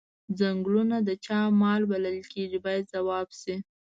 څنګلونه د چا مال بلل کیږي باید ځواب شي.